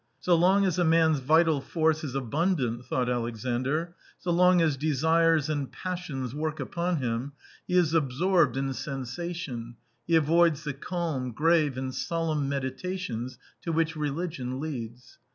"So long as a man's vital force is abundant," thought Alexandr, "so long as desires and passions work, upon him, he is absorbed in sensation, he avoids the calm, grave, and solemn meditations to which religion leads